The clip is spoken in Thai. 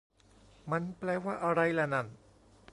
มันแปลว่าอะไรละนั่น